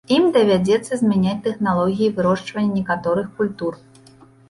Ім давядзецца змяняць тэхналогіі вырошчвання некаторых культур.